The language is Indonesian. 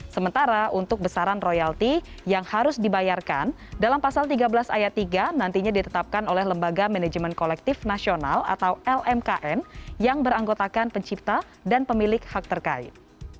sementara untuk besaran royalti yang harus dibayarkan dalam pasal tiga belas ayat tiga nantinya ditetapkan oleh lembaga manajemen kolektif nasional atau lmkn yang beranggotakan pencipta dan pemilik hak terkait